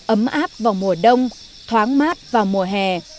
ấm áp vào mùa đông thoáng mát vào mùa hè